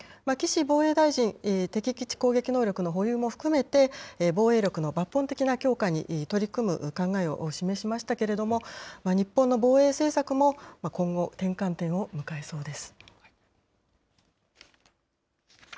岸防衛大臣、敵基地攻撃能力の保有も含めて、防衛力の抜本的な強化に取り組む考えを示しましたけれども、日本の防衛政策も今後、転換点を迎えそうです。